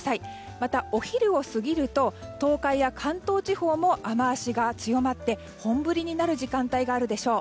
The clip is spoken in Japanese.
またお昼を過ぎると東海や関東地方も雨脚が強まって本降りになる時間帯があるでしょう。